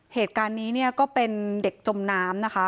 เหตุการณ์นี้เนี่ยก็เป็นเด็กจมน้ำนะคะ